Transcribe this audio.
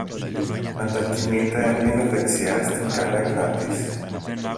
μετακινείται λίγο δεξιά στην καρέκλα της